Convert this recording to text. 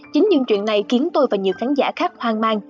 chính những chuyện này khiến tôi và nhiều khán giả khắp hoang mang